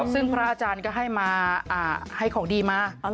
ซึ่งพระอาจารย์ก็ให้ของดีมา